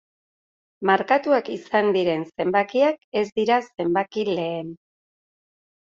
Markatuak izan diren zenbakiak ez dira zenbaki lehen.